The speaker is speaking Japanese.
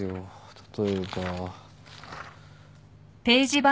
例えば。